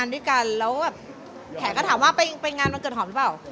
แล้วแผนก็ตามว่าไปงานวันเกิดหอมหรือเปล่า